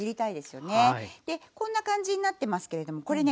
こんな感じになってますけれどもこれね